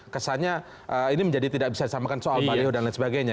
kesannya ini menjadi tidak bisa disamakan soal mario dan lain sebagainya